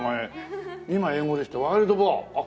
今英語で知ったワイルドボーア。